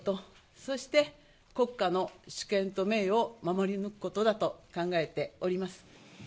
そして国家の主権と名誉を守り抜くことだと考えております。